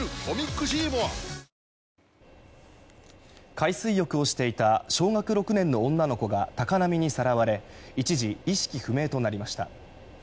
海水浴をしていた小学６年の女の子が高波にさらわれ一時意識不明となりました。